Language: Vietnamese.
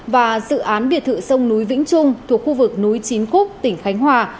và dự án biệt thự sông núi vĩnh trung thuộc khu vực núi chín khúc tỉnh khánh hòa